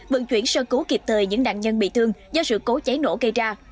vận chuyển sơ cứu kịp thời những nạn nhân bị thương do sự cố cháy nổ gây ra